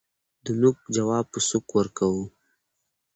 دنوک جواب په سوک ورکوو